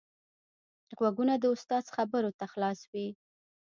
غوږونه د استاد خبرو ته خلاص وي